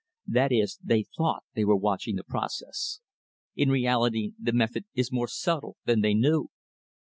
That is, they thought they were watching the process. In reality, the method is more subtle than they knew.